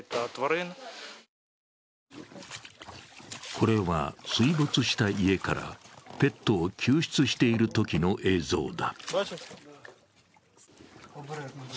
これは水没した家からペットを救出しているときの映像だ。